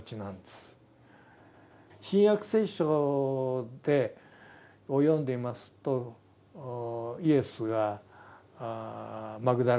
「新約聖書」を読んでいますとイエスがマグダラのマリアにね